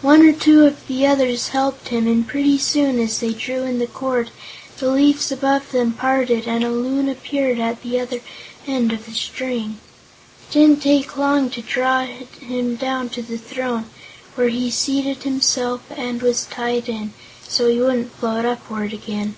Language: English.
One or two of the others helped him and pretty soon, as they drew in the cord, the leaves above them parted and a Loon appeared at the other end of the string. It didn't take long to draw him down to the throne, where he seated himself and was tied in, so he wouldn't float upward again.